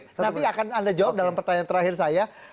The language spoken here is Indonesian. nanti akan anda jawab dalam pertanyaan terakhir saya